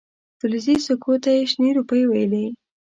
فلزي سکو ته یې شنې روپۍ ویلې.